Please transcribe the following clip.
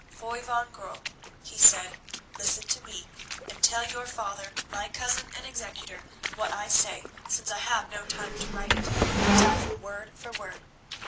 "Foy van Goorl," he said, "listen to me, and tell your father, my cousin and executor, what I say, since I have no time to write it; tell him word for word.